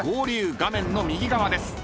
［画面の右側です］